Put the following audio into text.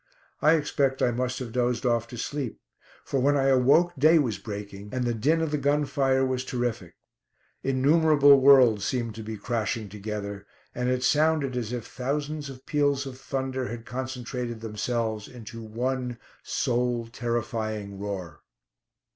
I expect I must have dozed off to sleep, for when I awoke day was breaking, and the din of the gun fire was terrific. Innumerable worlds seemed to be crashing together, and it sounded as if thousands of peals of thunder had concentrated themselves into one soul terrifying roar.